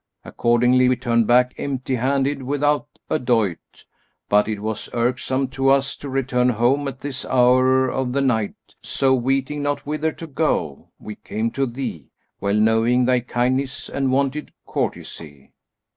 Accordingly we turned back, empty handed without a doit, but it was irksome to us to return home at this hour of the night; so weeting not whither to go, we came to thee, well knowing thy kindness and wonted courtesy."